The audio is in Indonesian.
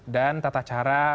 dan tata cara